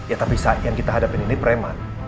ya tapi sayang kita hadapin ini preman